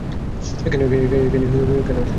এখানে কেন এসেছ?